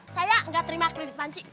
saya enggak terima kredit panci